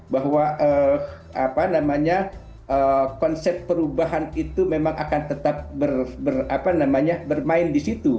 bahwa konsep perubahan itu memang akan tetap bermain di situ